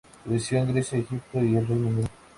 Creció en Grecia, Egipto y el Reino Unido.